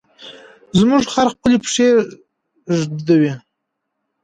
زموږ خر خپلې پښې ږدوي.